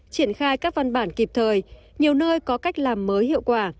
triển khai các văn bản kịp thời nhiều nơi có cách làm mới hiệu quả